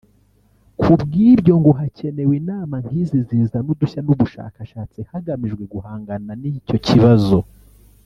Kubw’ibyo ngo hakenewe inama nk’izi zizana udushya n’ubushakashatsi hagamijwe guhangana n’icyo kibazo